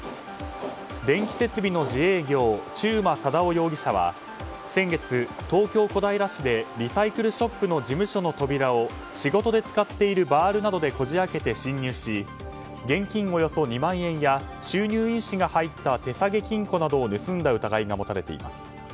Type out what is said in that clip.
電気設備の自営業中馬貞夫容疑者は先月、東京・小平市でリサイクルショップの事務所の扉を仕事で使っているバールなどでこじ開けて侵入し現金およそ２万円や収入印紙が入った手さげ金庫などを盗んだ疑いが持たれています。